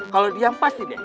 kalau diam pasti deh